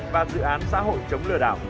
và dự án xã hội chống lừa đảo